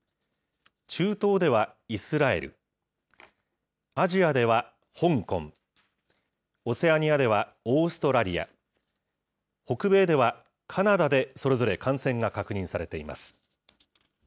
中東ではイスラエル、アジアでは香港、オセアニアではオーストラリア、北米ではカナダでそれぞれ感染が確認されています。